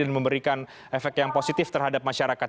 dan memberikan efek yang positif terhadap masyarakat